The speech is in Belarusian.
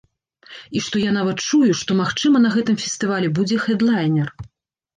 І што я нават чую, што, магчыма, на гэтым фестывалі будзе хэдлайнер.